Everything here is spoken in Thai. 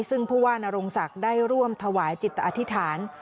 ซึ่งผู้ว่านรงศักดิ์ได้ร่วมถวายจิตอธิษฐาน